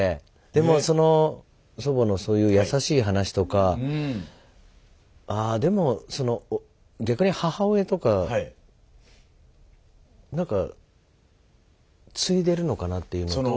でもその祖母のそういう優しい話とかああでもその逆に母親とかなんか継いでるのかなっていうのと。